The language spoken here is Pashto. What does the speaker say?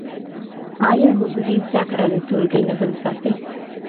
ايا حضوري زده کړه د ټولګي نظم ساتي؟